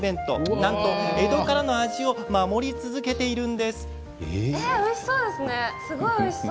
なんと江戸からの味を守り続けているんです。